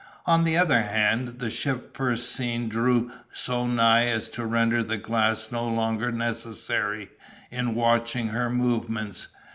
On the other hand, the ship first seen drew so nigh as to render the glass no longer necessary in watching her movements.